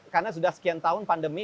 karena sudah sekian tahun pandemi